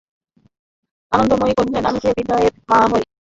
আনন্দময়ী কহিলেন, আমি যে বিনয়ের মা হই।